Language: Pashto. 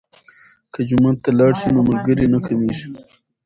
که جومات ته لاړ شو نو ملګري نه کمیږي.